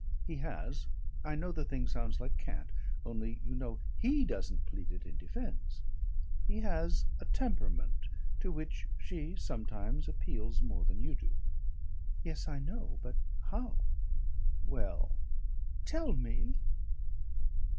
He has I know the thing sounds like cant, only you know, he doesn't plead it in defence he has a temperament, to which she sometimes appeals more than you do." "Yes, I know, but how?" "Well " "Tell me."